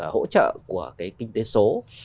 hỗ trợ của cái kinh tế số